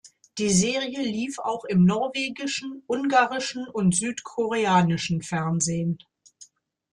Die Serie lief auch im norwegischen, ungarischen und südkoreanischen Fernsehen.